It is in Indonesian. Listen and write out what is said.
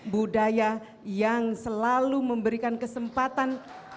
budaya yang selalu memberikan kesempatan